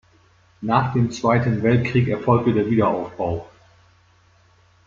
Nach dem Zweiten Weltkrieg erfolgte der Wiederaufbau.